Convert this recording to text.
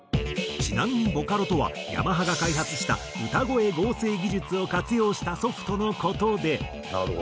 ちなみにボカロとはヤマハが開発した歌声合成技術を活用したソフトの事で。